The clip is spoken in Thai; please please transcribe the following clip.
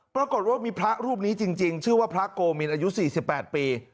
ปรากฏว่ามีพระรูปนี้จริงชื่อว่าพระโกมินอายุ๔๘ปี